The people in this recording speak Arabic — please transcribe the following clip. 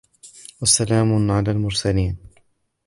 وَسَلَامٌ عَلَى الْمُرْسَلِينَ